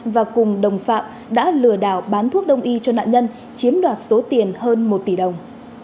và cùng đồng phạm đã lừa đảo bán thuốc đông y cho nạn nhân chiếm đoạt số tiền hơn một tỷ đồng